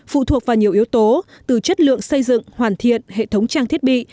phụ thuộc vào nhiều yếu tố từ chất lượng xây dựng hoàn thiện hệ thống trang thiết bị